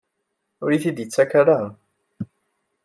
Ur iyi-t-id-yettak ara?